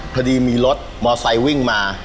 พอดีมีรถมอไซค์วิ่งมา